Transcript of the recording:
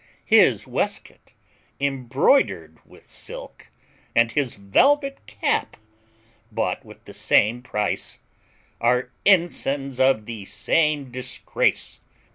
His waistcoat embroidered with silk, and his velvet cap, bought with the same price, are ensigns of the same disgrace.